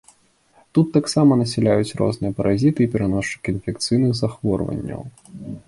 Тут таксама насяляюць розныя паразіты і пераносчыкі інфекцыйных захворванняў.